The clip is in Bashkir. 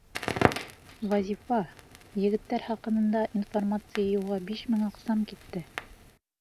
Вазифа, егеттәр хаҡында информация йыйыуға биш мең аҡсам китте.